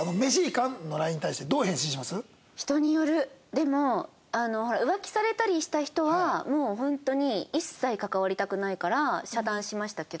でも浮気されたりした人はもう本当に一切関わりたくないから遮断しましたけど。